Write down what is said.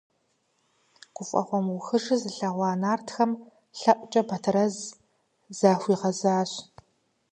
Гуфӏэгъуэ мыухыжыр зыгъуэта нартхэм лъэӏукӏэ Батэрэз захуигъэзащ.